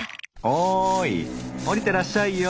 おいおりてらっしゃいよ。